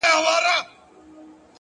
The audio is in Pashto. زحمت د موخو د رسېدو بیړۍ ده!